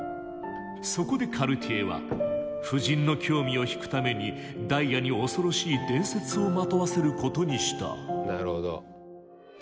そこでカルティエは夫人の興味を引くためにダイヤに恐ろしい伝説をまとわせることにした。